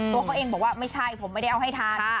ตัวเขาเองบอกว่าไม่ใช่ผมไม่ได้เอาให้ทาน